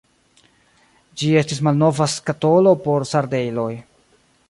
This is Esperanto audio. Ĝi estis malnova skatolo por sardeloj.